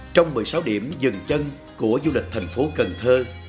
trong một mươi sáu điểm dừng chân của du lịch thành phố cần thơ